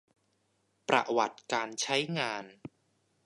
ประวัติการใช้งาน